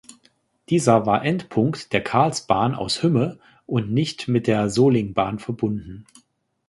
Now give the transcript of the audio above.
Dieser war Endpunkt der Carlsbahn aus Hümme und nicht mit der Sollingbahn verbunden.